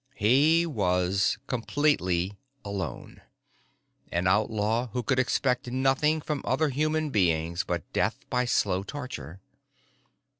He was completely alone. An outlaw who could expect nothing from other human beings but death by slow torture.